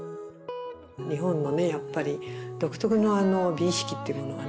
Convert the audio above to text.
日本のねやっぱり独特のあの美意識っていうものがあるんだと。